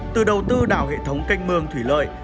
từ đầu tư đảo hệ thống canh mương thủy lợi